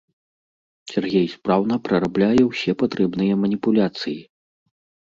Сяргей спраўна прарабляе ўсе патрэбныя маніпуляцыі.